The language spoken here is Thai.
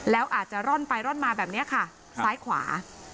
แล้วอาจจะร่อนไปร่อนมาแบบนี้ค่ะซ้ายขวา